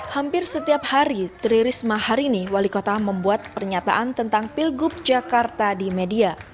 hampir setiap hari tri risma hari ini wali kota membuat pernyataan tentang pilgub jakarta di media